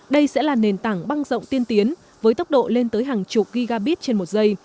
đây sẽ là nền tảng băng rộng tiên tiến với tốc độ lên tới hàng chục gigabit trên một giây